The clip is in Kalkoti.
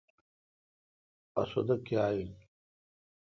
اسودہ کیا این۔